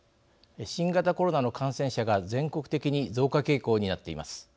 新型コロナの感染者が全国的に増加傾向になっています。